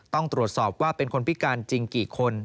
ต้องตรวจสอบว่าเป็นคนพิการจริงกี่คน